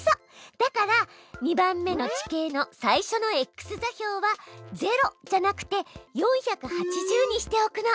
だから２番目の地形の最初のｘ座標は０じゃなくて４８０にしておくの。